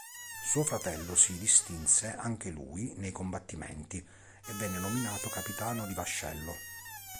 Suo fratello si distinse anche lui nei combattimenti e venne nominato capitano di vascello.